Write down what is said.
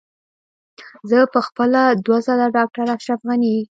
زه په خپله دوه ځله ډاکټر اشرف غني.